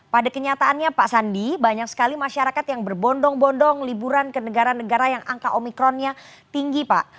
pada kenyataannya pak sandi banyak sekali masyarakat yang berbondong bondong liburan ke negara negara yang angka omikronnya tinggi pak